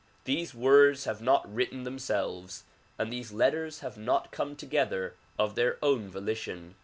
These words have not written themselves and these letters have not come together of their own volition.